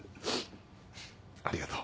ありがとう。